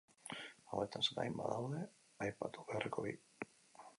Hauetaz gain badaude aipatu beharreko bi.